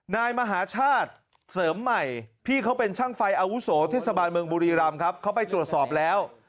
นายมหาชาติเสริมใหม่พี่เขาเป็นช่างไฟอาวุโสเทศบาลเมืองบุรีรำครับเขาไปตรวจสอบแล้ว